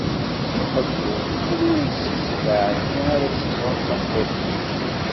Di ḥeggu, anwa si sebɛa-nni ara tt-isɛun d tameṭṭut-is?